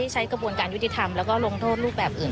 ใช้กระบวนการยุติธรรมแล้วก็ลงโทษรูปแบบอื่น